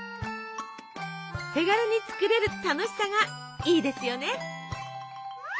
手軽に作れる楽しさがいいですよね！